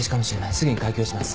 すぐに開胸します。